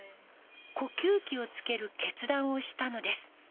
呼吸器をつける決断をしたのです。